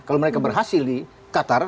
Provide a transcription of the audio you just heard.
kalau mereka berhasil di qatar